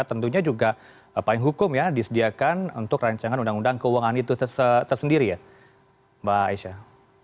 tentunya juga payung hukum ya disediakan untuk rancangan undang undang keuangan itu tersendiri ya mbak aisyah